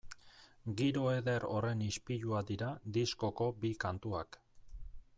Giro eder horren ispilua dira diskoko bi kantuak.